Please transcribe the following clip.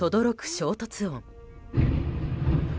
衝突音。